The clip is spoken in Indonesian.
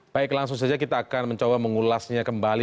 baik langsung saja kita akan mencoba mengulasnya kembali